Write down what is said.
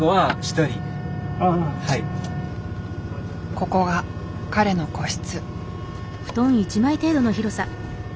ここが彼の個室。